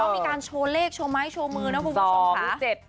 มีการโชว์เลขโชว์ไม้โชว์มือนะคุณผู้ชมค่ะ